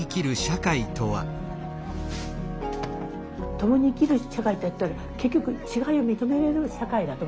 “ともに生きる社会”っていったら結局違いを認めれる社会だと思うんですよね。